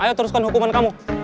ayo teruskan hukuman kamu